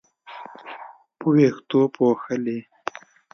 په وېښتو پوښلې